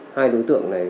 hai đối tượng này